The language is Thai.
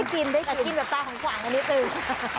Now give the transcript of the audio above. ได้กินได้กินได้กินแบบตาของขวางนิดนึง